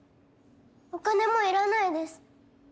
お金もいらないです。